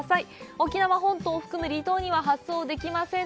沖縄本島を含む離島には発送できません。